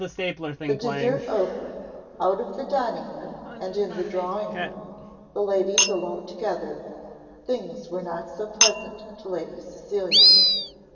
The dessert over, out of the dinner room and in the drawing room, the ladies alone together, things were not so pleasant to Lady Cecilia.